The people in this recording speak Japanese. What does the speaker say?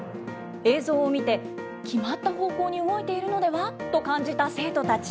映像を見て、決まった方向に動いているのでは？と感じた生徒たち。